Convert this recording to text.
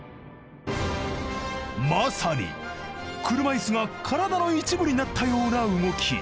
まさに車いすが体の一部になったような動き。